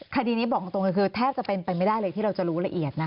คดีนี้บอกตรงเลยคือแทบจะเป็นไปไม่ได้เลยที่เราจะรู้ละเอียดนะ